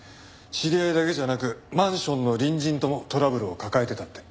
知り合いだけじゃなくマンションの隣人ともトラブルを抱えてたって。